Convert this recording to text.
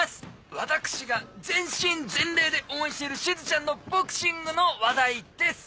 私が全身全霊で応援しているしずちゃんのボクシングの話題です！